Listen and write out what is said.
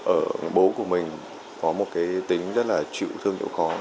ở bố của mình có một cái tính rất là chịu thương chịu khó